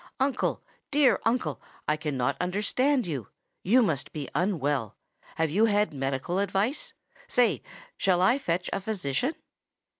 "Uncle—dear uncle, I cannot understand you. You must be unwell. Will you have medical advice? Say—shall I fetch a physician?"